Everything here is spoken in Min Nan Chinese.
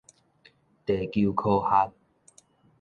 地球科學